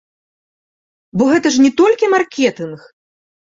Бо гэта ж не толькі маркетынг!